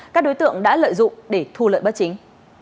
các đối tượng đã lợi dụng để thu lợi bất chính